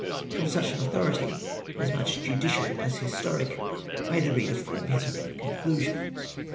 From such an authority — as much judicial as historic— may the reader form his own con clusions.